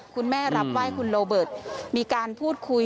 คุณแม่รับไหว้คุณโรเบิร์ตมีการพูดคุย